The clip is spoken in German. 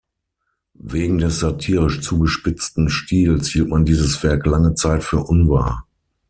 Wegen des satirisch zugespitzten Stils hielt man dieses Werk lange Zeit für unwahr.